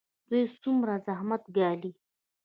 دوی څومره زحمت ګالي؟